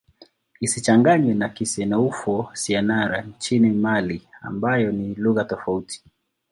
Isichanganywe na Kisenoufo-Syenara nchini Mali ambayo ni lugha tofauti.